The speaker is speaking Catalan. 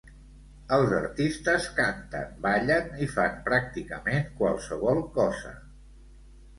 Els artistes canten, ballen i fan pràcticament qualsevol cosa.